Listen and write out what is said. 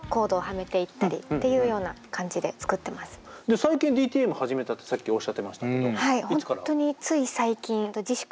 最近ＤＴＭ始めたってさっきおっしゃってましたけどいつから？